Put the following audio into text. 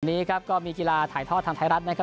นี้ครับก็มีกีฬาถ่ายทอดทางไทยรัฐนะครับ